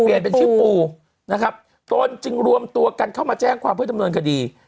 เป็นชื่อปูนะครับตนจึงรวมตัวกันเข้ามาแจ้งความเพื่อดำเนินคดี